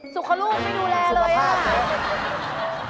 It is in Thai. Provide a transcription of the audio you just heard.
สุขลูกไม่ดูแลเลยอ่ะสุขภาพ